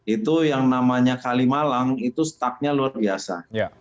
itu yang namanya kalimalang itu stuck nya luar biasa